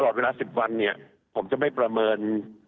ตลอดเวลา๑๐วันผมจะไม่ประเมิน